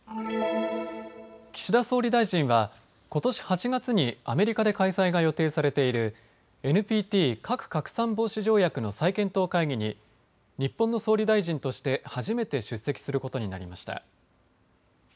岸田総理大臣は、ことし８月にアメリカで開催が予定されているＮＰＴ・核拡散防止条約の再検討会議に日本の総理大臣として初めて出席することになりました。